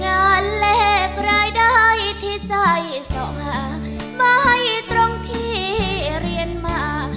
แลกรายได้ที่ใจส่องหาไม่ตรงที่เรียนมา